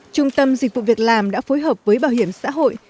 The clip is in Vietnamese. trung tâm dịch vụ việc làm đã phối hợp với bảo hiểm xã hội